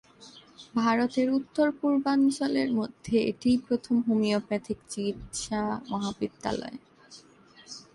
ভারতের উত্তর-পূর্বাঞ্চলের মধ্যে এটিই প্রথম হোমিওপ্যাথিক চিকিৎসা মহাবিদ্যালয।